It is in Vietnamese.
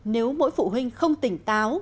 nếu mỗi phụ huynh không tỉnh táo